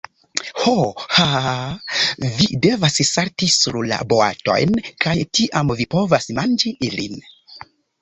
Ho. Haaaa, vi devas salti sur la boatojn, kaj tiam vi povas manĝi ilin.